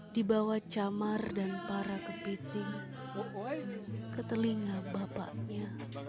dibawa camar dan para kepiting ketelinga bapaknya